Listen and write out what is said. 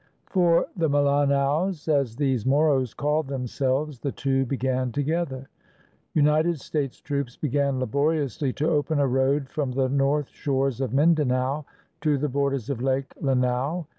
For the Malanaos, as these Moros called themselves, the two began together. United States troops began laboriously to open a road from the north shores of Mindanao to the borders of Lake Lanao.